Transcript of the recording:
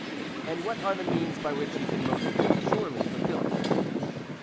and what are the means by which he can most surely fulfil it?